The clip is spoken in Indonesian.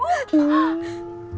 bagaimana siap kondisinya